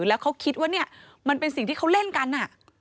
แล้วเขาคิดว่าเนี่ยมันเป็นสิ่งที่เขาเล่นกัน